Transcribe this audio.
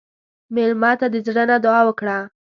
مېلمه ته د زړه نه دعا وکړه.